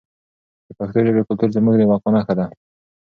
د پښتو ژبې کلتور زموږ د بقا نښه ده.